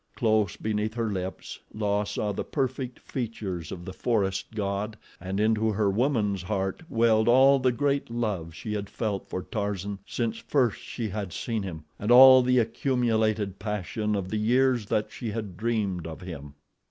Close beneath her lips La saw the perfect features of the forest god and into her woman's heart welled all the great love she had felt for Tarzan since first she had seen him, and all the accumulated passion of the years that she had dreamed of him.